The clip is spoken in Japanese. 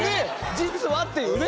「実は」っていうね。